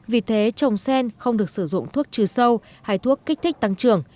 vì thế trồng sen không được sử dụng thuốc trừ sâu hay thuốc kích thích tăng trưởng